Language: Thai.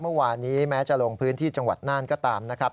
เมื่อวานนี้แม้จะลงพื้นที่จังหวัดน่านก็ตามนะครับ